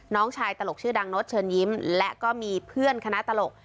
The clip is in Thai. น้องชายตลกชื่อดังโน๊ตเชิญยิ้มและก็มีเพื่อนคณะตลก